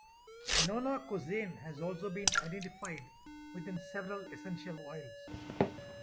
Nonacosane has also been identified within several essential oils.